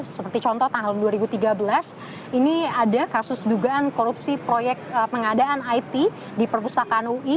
seperti contoh tahun dua ribu tiga belas ini ada kasus dugaan korupsi proyek pengadaan it di perpustakaan ui